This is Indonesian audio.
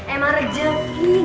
emang rezeki nggak kemarin